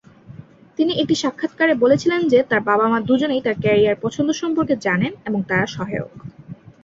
তিনি একটি সাক্ষাত্কারে বলেছিলেন যে তার বাবা-মা দুজনেই তার ক্যারিয়ার পছন্দ সম্পর্কে জানেন এবং তারা সহায়ক।